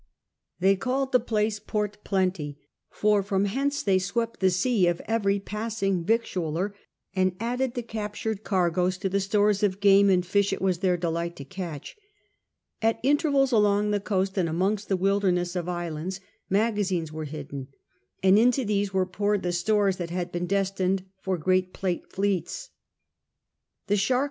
They called the place Port Plenty, for from hence they swept the sea of every passing victualler, and added the captured cargoes to the stores of game and fish it was their delight to catch. At intervals along the coast and amongst the wilderness of islands magazines were hidden, and into these were poured the stores that had been destined for great Plate fleets. The shark CHAP.